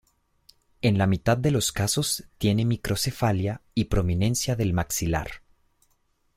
En la mitad de los casos tiene microcefalia y prominencia del maxilar.